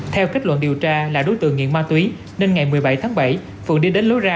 theo kết luận điều tra là đối tượng nghiện ma túy nên ngày một mươi bảy tháng bảy phượng đi đến lối ra